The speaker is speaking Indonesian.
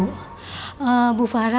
bu fahim ini adalah ibu kandung anak saya